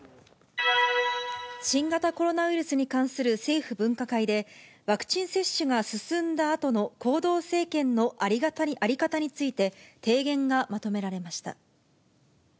新型コロナウイルスに関する政府分科会で、ワクチン接種が進んだあとの行動制限の在り方について提言がまとめられました。